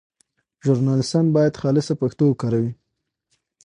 ژورنالیستان باید خالصه پښتو وکاروي.